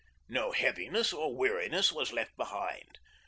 No heaviness or weariness was left behind.